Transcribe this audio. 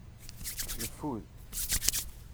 Neffud.